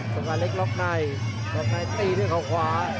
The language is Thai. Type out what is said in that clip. สมการเล็กล็อคไนท์ล็อคไนท์ตีด้วยเขาขวา